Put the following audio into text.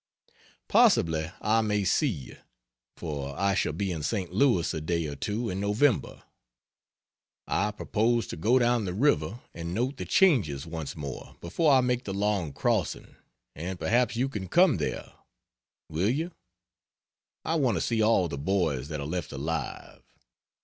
Possibly I may see you, for I shall be in St. Louis a day or two in November. I propose to go down the river and "note the changes" once more before I make the long crossing, and perhaps you can come there. Will you? I want to see all the boys that are left alive.